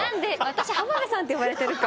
私浜辺さんって呼ばれてるか。